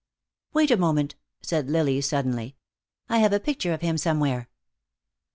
"Wait a moment," said Lily, suddenly. "I have a picture of him somewhere."